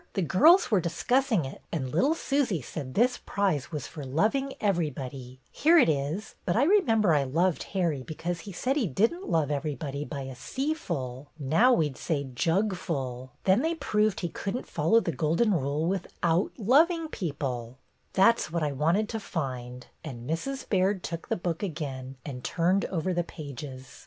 The girls were discussing it, and little Susy said this prize was for loving everybody — here it is — but I remember I loved Harry because he said he didn't love everybody 'by a seaful.' Now we 'd say 'jugful.' Then they proved he could n't follow the Golden Rule without loving people, "That 's what I wanted to find," and Mrs. Baird took the book again and turned over the pages.